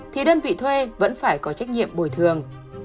thì đơn vị thuê vẫn phải có trách nhiệm bồi thường